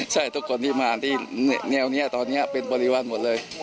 ใช่ทุกคนที่มาที่แนวนี้ตอนนี้เป็นบริวารหมดเลย